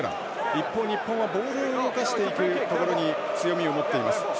一方、日本はボールを動かしていくところに強みを持っています。